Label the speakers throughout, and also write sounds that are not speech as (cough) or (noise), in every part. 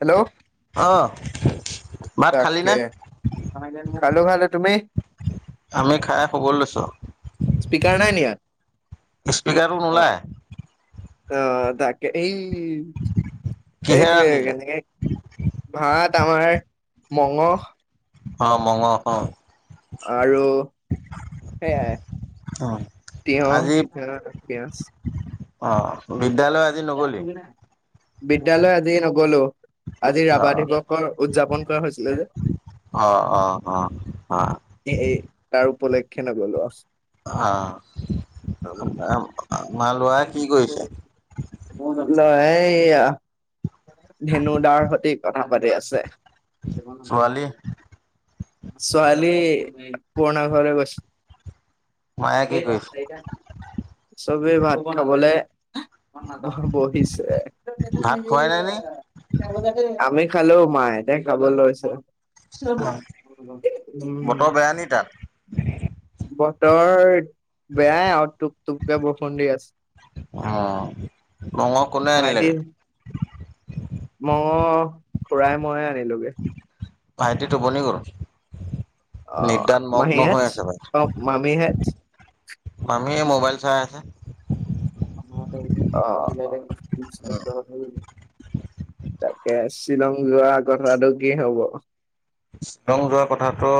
Speaker 1: Hello
Speaker 2: অ' ভাত খালি
Speaker 1: তাকে
Speaker 2: নে?
Speaker 1: (unintelligible) খালো খালো তুমি?
Speaker 2: আমি খাই শুবলৈ লৈছোঁ।
Speaker 1: স্পীকাৰ নাই নি ইয়াত
Speaker 2: স্পিকাৰ টো
Speaker 1: অ
Speaker 2: নোলায়।
Speaker 1: অ তাকে এই
Speaker 2: কিহে
Speaker 1: এইটোৱে
Speaker 2: ৰান্ধিলে?
Speaker 1: কেনেকে ভাত আমাৰ মঙহ
Speaker 2: অ মঙহ অহ!
Speaker 1: আৰু সেয়াই
Speaker 2: অ',
Speaker 1: তিয়ঁহ। পিয়াজ।
Speaker 2: অহ!
Speaker 1: বিদ্যালয় আজি নগলো। আজি ৰাভা
Speaker 2: অ',
Speaker 1: দিৱসৰ উদযাপন কৰা হৈছিলে যে,
Speaker 2: অ', অ', অ', অ',
Speaker 1: এ এই তাৰ উপলক্ষে সেয়ে নগ'লো।
Speaker 2: আহ (unintelligible) আৰু
Speaker 1: (unintelligible) সেয়া ধেনু দাৰ সৈতে কথা পাতি আছে,
Speaker 2: ছোৱালী
Speaker 1: ছোৱালী পুৰণা ঘৰলৈ গৈছিল
Speaker 2: মায়ে কি
Speaker 1: কেই জন
Speaker 2: কৰিছে?
Speaker 1: চাৰিটা। চবে ভাত বনাবলে আমি বহিছে
Speaker 2: ভাত খোৱাই নাই নি?
Speaker 1: আমি। খালো মাই এই খাব লৈছো। (unintelligible)
Speaker 2: বতৰ বেয়া নি তাত?
Speaker 1: তোৰ বেয়াই আৰু তোক- টুপকা বৰষুণ দি আছে।
Speaker 2: অঁ, মংহ কোনে আনিলেগে?
Speaker 1: মংহ খুৰাই মই আনিলোগে।
Speaker 2: ভাইটি টোপনি গ'ল।
Speaker 1: অঁ,
Speaker 2: নিদ্ৰাত মগ্ন হৈ
Speaker 1: মহীহেত?
Speaker 2: আছে ভাইটি।
Speaker 1: অঁ, মামিহেত?
Speaker 2: মামীয়ে মোবাইল চাই আছে।
Speaker 1: অঁ। তাকে শ্বিলং যোৱা কথাটো কি হ'ব?
Speaker 2: শ্বিলং যোৱা কথাটো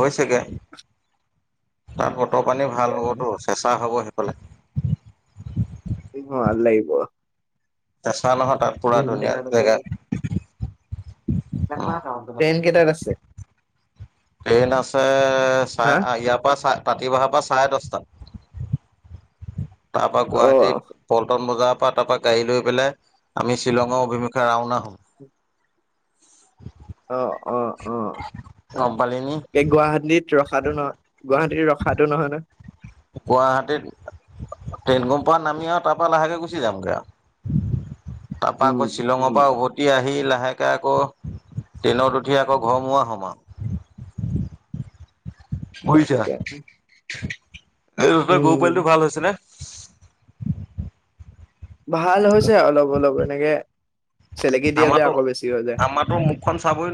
Speaker 2: হৈছেগে।
Speaker 1: (inaudible)
Speaker 2: (unintelligible) বতৰ পানী ভাল হ'বতো, চেচা হ'ব হে পালে।
Speaker 1: ভাল লাগিব।
Speaker 2: (unintelligible) চা নহয় তাত পুৰা
Speaker 1: উম
Speaker 2: ধুনীয়া জেগা। উম
Speaker 1: ট্ৰেইন কেইটাত আছে।
Speaker 2: ট্ৰেইন আছে, চাই,
Speaker 1: হা
Speaker 2: ইয়াৰ পৰা চাই (unintelligible) পৰা চাৰে দহটাত। তাৰপৰা
Speaker 1: অ
Speaker 2: গুৱাহাটী পল্টন বজাৰত তাৰ পৰা গাড়ী লৈ পেলাই আমি শ্বিলঙৰ অভিমুখে ৰাওনা হয়।
Speaker 1: অঁ, অঁ, অঁ।
Speaker 2: গম পালি নি
Speaker 1: গুৱাহাটীত ৰখাতো নহ, গুৱাহাটীত ৰখাতো নহয় ন?
Speaker 2: গুৱাহাটীত ট্ৰেইন গম্প নামি আৰু তাৰ পৰা লাহেকে গুচি যামগৈ আৰু। তাৰপৰা
Speaker 1: উম
Speaker 2: আকৌ শ্বিলঙৰ
Speaker 1: উম
Speaker 2: পৰা উভতি আহি লাহে আকৌ ট্ৰেইনত উঠি আকৌ ঘৰমুৱা হ'ম আৰু। বুজিছা
Speaker 1: তাকে।
Speaker 2: এই তহঁতৰ গৰু
Speaker 1: উম,
Speaker 2: পোৱালিটো ভাল হৈছেনে?
Speaker 1: ভাল হৈছে অলপ অলপ তেনেকে
Speaker 2: আমাতো, আমতো মুখখন চাবই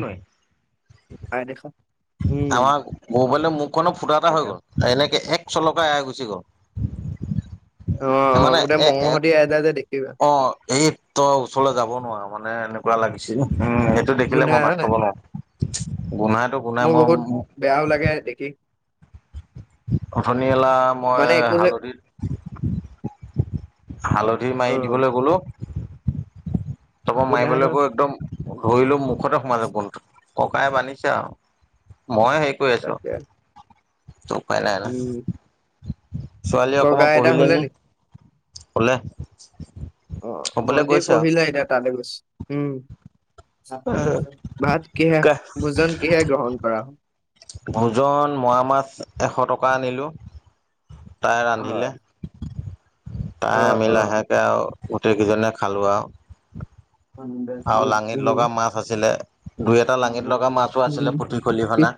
Speaker 1: আই দেখা
Speaker 2: নোৱাৰি।
Speaker 1: উম,
Speaker 2: আমাৰ গৰু পোৱালিটো মুখখননৰ ফুটা এটা
Speaker 1: তাকে
Speaker 2: হৈ গ'ল, এনেকে এক চলকা এৰা গুচি গুচি গল (unintelligible)
Speaker 1: অ', অ',
Speaker 2: মানে
Speaker 1: গোটেই
Speaker 2: এ
Speaker 1: মঙহ
Speaker 2: এ
Speaker 1: সতি এৰাই যায় যে দেখ
Speaker 2: অ', এ তই ওচৰলৈ যাব নোৱাৰ মানে, এলপ কিবা লাগিছিলে উম, এইটো দেখিলে
Speaker 1: গোন্ধাই
Speaker 2: মই ভাত
Speaker 1: হয় নাই
Speaker 2: খাব নোৱাৰোঁ। গোন্ধাইটো গোন্ধাই
Speaker 1: মোৰ
Speaker 2: মই
Speaker 1: বহুত বেয়াও লাগে দেখি
Speaker 2: অথনি এলা মই
Speaker 1: মানে একো যে
Speaker 2: হালধিত হালধি
Speaker 1: অ',
Speaker 2: মাৰি দিবলৈ গ'লো। তাপা
Speaker 1: গোন্ধাই ন
Speaker 2: মাইবলৈ গৈ একদম ধৰিলো মুখতে সোমাইছে গোন্ধ, ককাই বান্ধিছে আৰু। মই হেৰি কৰি আছো।
Speaker 1: তাকে
Speaker 2: (unintelligible) উপায় নাই না।
Speaker 1: উম, ককা আইতা শুলে নি?।
Speaker 2: শুলে
Speaker 1: অ',
Speaker 2: শুবলৈ
Speaker 1: ভন্টি
Speaker 2: গৈছে আৰু
Speaker 1: পঢ়িলে এতিয়া তালৈ গৈছে। উম। ভাত কিহে-ভোজন কিহে গ্ৰহণ কৰা হল।
Speaker 2: ভোজন মৰা মাছ এশ টকা আনিলোঁ। তাই ৰান্ধিলে।
Speaker 1: হয়
Speaker 2: তাই
Speaker 1: অ',
Speaker 2: আমি,
Speaker 1: অ'।
Speaker 2: লাহেকে আৰু গোটেইকেইজনে খালো আৰু।
Speaker 1: উম,
Speaker 2: আৰু লাঙিত
Speaker 1: উম,
Speaker 2: লগা মাছ আছিলে, দুই এটা লাঙিত লগা মাছো আছিলে
Speaker 1: উম,
Speaker 2: পুঠি খলিহনা।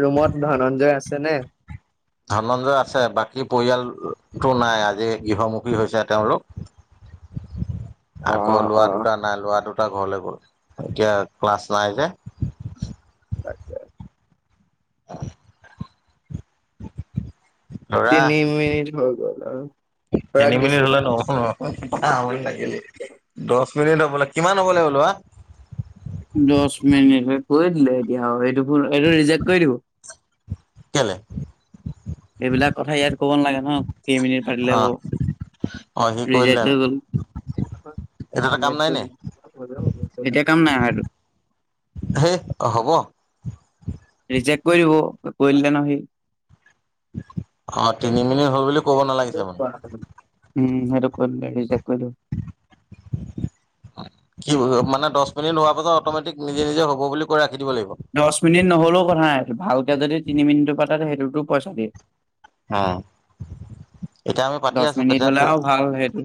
Speaker 1: ৰুমত ধনঞ্জয় আছেনে।
Speaker 2: ধনঞ্জয় আছে, বাকী পৰিয়ালটো নাই আজি গৃহমুখী হৈছে তেওঁলোক।
Speaker 1: অ',
Speaker 2: আকৌ
Speaker 1: অ',
Speaker 2: লোৱা
Speaker 1: অ'।
Speaker 2: দুটা নাই লোৱা দুট টা ঘৰলৈ গ'ল, এতিয়া ক্লাছ নাই যে। (inaudible) ধৰা,
Speaker 1: তিনি মিনিট হৈ গ'ল আৰু খুৰাক
Speaker 2: তিনি মিনিট
Speaker 1: দিছো।
Speaker 2: হলে নহব (inaudible) আমনি লাগিলেই। দশ কিমান হ'ব লাগে লৰা।
Speaker 1: দশ মিনিট হৈ-, কৈয়ে দিলে এতিয়া আও এইটো ভূল, এইটো ৰিজেক্ট কৰি দিব।
Speaker 2: কেলে?।
Speaker 1: এইবিলাক কথা ইয়াত কব নালাগে ন। কেইমিনিট পাতিলে
Speaker 2: অ অ সি
Speaker 1: হ'ব।
Speaker 2: কৰি
Speaker 1: ৰিজেক্ট
Speaker 2: দিলে আৰু
Speaker 1: হৈ গল
Speaker 2: এইটো এটা কাম নাই নে
Speaker 1: এতিয়া কাম নাই আৰু
Speaker 2: হেই অ হ'ব
Speaker 1: ৰিজেক্ট কৰি দিব কৰি দিলে নহয়
Speaker 2: অ
Speaker 1: সি
Speaker 2: তিনি মিনিট হ'ল বুলি ক'ব নালাগিছে মানে
Speaker 1: (unintelligible) উম সেইটো কৰি দিব
Speaker 2: কি মানে দহ মিনি হোৱাাছত অ'মেটিক নিজ নিজে হ' বুলি কৈ ৰা
Speaker 1: দহ মিনিট নহলেও কথা নাই ভালকে যদি তিনি মিনিটটো পাতে সেইটো ৰূপচাৰী
Speaker 2: উম! এতিয়া আমি পাতি
Speaker 1: দহ
Speaker 2: আছো
Speaker 1: মিনিট
Speaker 2: কেতিয়া
Speaker 1: হ'লে আৰু ভাল সেইটো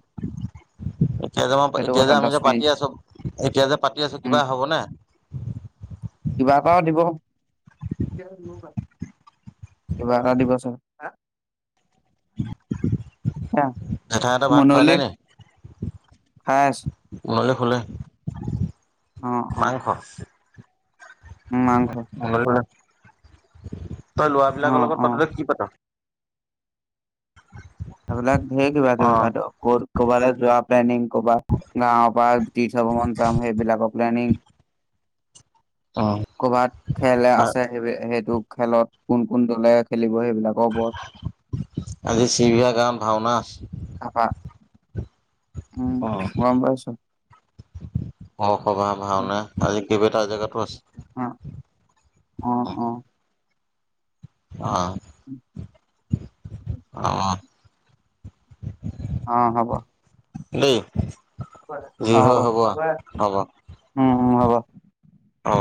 Speaker 2: এতিয়া যে
Speaker 1: সেইটো
Speaker 2: এতিয়া যে
Speaker 1: কথা
Speaker 2: আমি যে
Speaker 1: দহ
Speaker 2: পাতি
Speaker 1: মিনিট
Speaker 2: আছো এতিয়া যে পাতি আছো
Speaker 1: উম
Speaker 2: কিবা হ'বনে?
Speaker 1: দে মবাই কিবা এটা দিবছৰ হ
Speaker 2: উ
Speaker 1: মনল খাইছ
Speaker 2: ফুল!
Speaker 1: অ
Speaker 2: মাংস।
Speaker 1: মাংস
Speaker 2: হয়। আ। তই
Speaker 1: অ
Speaker 2: লৰাবলাকৰ লগত
Speaker 1: অ
Speaker 2: পাতোতে কি পাত?
Speaker 1: এইবিলাক ধঢেৰ কিবা
Speaker 2: অ
Speaker 1: কিবি প ক'ৰবালৈ যোৱা প্লেনিিং কৰ'ৰবাত গাঁৱৰ পৰা তীৰ্থ ভ্ৰমন চাম সেইবিলাকৰ প্লেনিনং
Speaker 2: অ
Speaker 1: কৰ'ৰবাত খেলে আছে স সেইটো! খেলত কোন কোন দলে খেলিব সেইবিলাকৰ ওপৰত
Speaker 2: আজি চি বিহা গান ভাওনা আছে।
Speaker 1: তাপা উম
Speaker 2: অ
Speaker 1: গম পাইছো
Speaker 2: অসবাহ ভাওনা আজি কেইবটা জেগাতো আছে।
Speaker 1: অ অ অ!
Speaker 2: অ' অ'
Speaker 1: অ' হব।
Speaker 2: দেই। যি হয়
Speaker 1: অ'
Speaker 2: আও
Speaker 1: হ'ব উম হ'ব!
Speaker 2: অ!